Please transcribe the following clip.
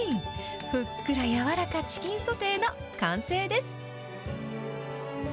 ふっくら柔らかチキンソテーの完成です。